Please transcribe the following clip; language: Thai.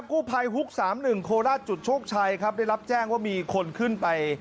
กู้ภัยฮุก๓๑โคราชจุดโชคชัยครับได้รับแจ้งว่ามีคนขึ้นไป